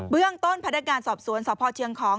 เรื่องต้นพนักงานสอบสวนสพเชียงของ